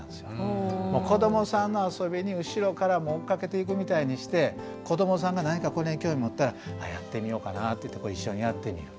子どもさんの遊びに後ろから追っかけていくみたいにして子どもさんが何かこれに興味持ったらあやってみようかなっていって一緒にやってみる。